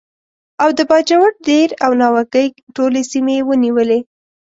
او د باجوړ، دیر او ناوګۍ ټولې سیمې یې ونیولې.